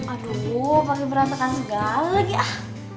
aduh pake beratakan segala lagi ah